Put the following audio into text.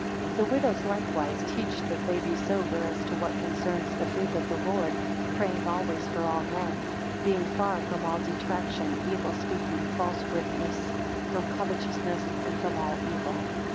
7 The widows likewise teach that they be sober as to what concerns the faith of the Lord: praying always for all men; being far from all detraction, evil speaking, false witness; from covetousness, and from all evil.